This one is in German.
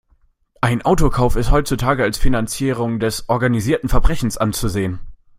Ein Autokauf ist heutzutage als Finanzierung des organisierten Verbrechens anzusehen.